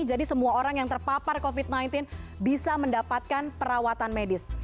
jadi semua orang yang terpapar covid sembilan belas bisa mendapatkan perawatan medis